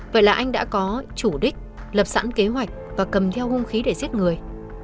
vậy là anh đã có chủ đích lập sẵn kế hoạch và cầm theo hung khí để giết người